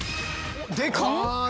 でかっ！